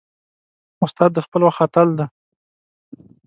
استاد د خپل وخت اتل دی.